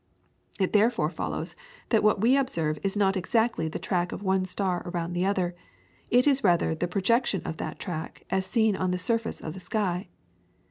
It therefore follows that what we observe is not exactly the track of one star around the other; it is rather the projection of that track as seen on the surface of the sky.